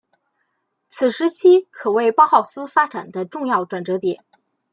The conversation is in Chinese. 此时期可谓包浩斯发展重要的转捩点。